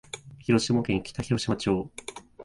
広島県北広島町